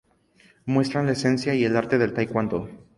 Muestran la esencia y el arte del taekwondo.